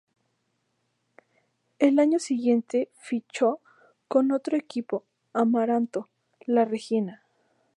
El año siguiente fichó con otro equipo "amaranto": la Reggina.